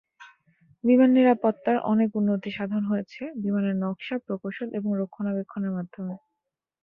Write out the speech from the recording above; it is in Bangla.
বিমান নিরাপত্তার অনেক উন্নতিসাধন হয়েছে বিমানের নকশা, প্রকৌশল এবং রক্ষণাবেক্ষণের মাধ্যমে।